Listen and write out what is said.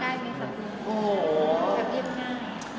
ได้ดีค่ะแต่แบบเย็นง่าย